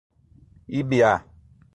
Ibiá